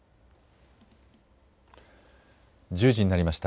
１０時になりました。